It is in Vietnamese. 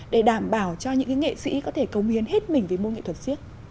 để đảm bảo cho những nghệ sĩ có thể cống hiến hết mình với môn nghệ thuật siếc